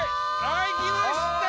はい来ました。